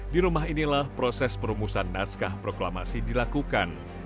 di rumah inilah proses perumusan naskah proklamasi dilakukan